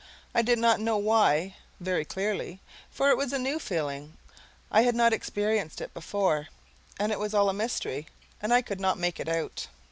I did not know why very clearly, for it was a new feeling; I had not experienced it before, and it was all a mystery, and I could not make it out.